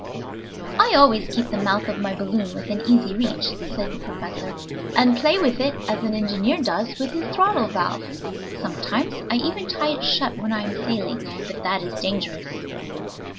"I always keep the mouth of my balloon within easy reach," said the professor, "and play with it as an engineer does with his throttle valve. Sometimes I even tie it shut when I am sailing, but that is dangerous."